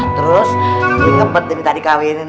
terus ini ngebet dari tadi kawinin